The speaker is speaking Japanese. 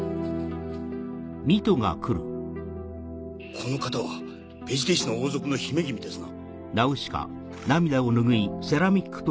この方はペジテ市の王族の姫君ですな。